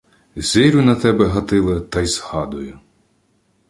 — Зирю на тебе, Гатиле, та й згадую...